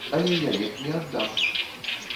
Але я іх не аддам.